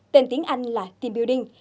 tên tiếng anh là team building